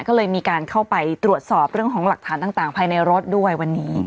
ก็เลยมีการเข้าไปตรวจสอบเรื่องของหลักฐานต่างภายในรถด้วยวันนี้